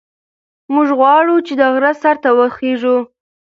موږ غواړو چې د غره سر ته وخېژو.